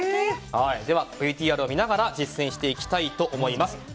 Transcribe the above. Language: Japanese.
では、ＶＴＲを見ながら実践していきたいと思います。